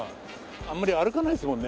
あんまり歩かないですもんね。